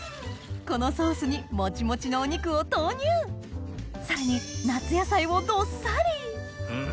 このソースにもちもちのお肉を投入さらに夏野菜をどっさりん！